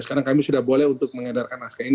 sekarang kami sudah boleh untuk mengedarkan naskah ini